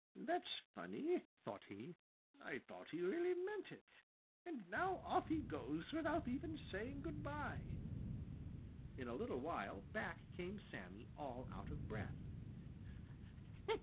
"That's funny," thought he. "I thought he really meant it, and now off he goes without even saying good by." In a little while back came Sammy, all out of breath.